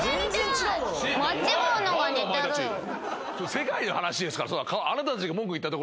世界の話ですから。